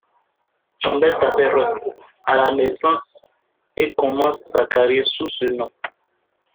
Campbell s'appelle Ross à la naissance et commence sa carrière sous ce nom.